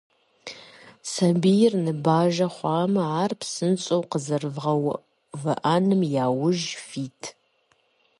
Сабийр ныбажэ хъуамэ, ар псынщӏэу къэзэрывгъэувыӏэным яужь фит.